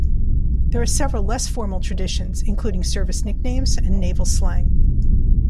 There are several less formal traditions including service nicknames and Naval slang.